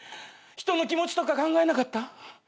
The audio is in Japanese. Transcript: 人の気持ちとか考えなかった？